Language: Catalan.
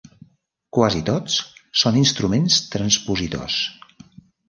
Quasi tots són instruments transpositors.